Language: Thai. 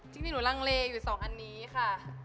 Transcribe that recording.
จริงหนูลังเลอยู่๒อันนี้ค่ะ